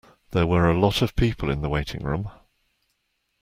There were a lot of people in the waiting room.